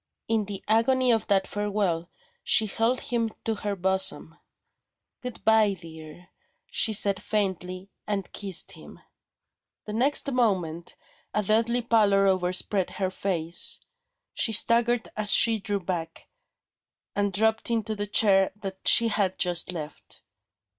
In the agony of that farewell, she held him to her bosom. "Goodbye, dear," she said faintly and kissed him. The next moment, a deadly pallor overspread her face. She staggered as she drew back, and dropped into the chair that she had just left.